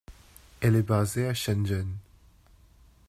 Elle est basée à Shenzhen.